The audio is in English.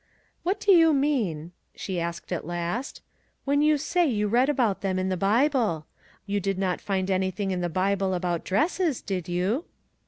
" What do you mean," she asked at last, " when you say you read about them in the Bible ? You did not find anything in the Bible about dresses, did you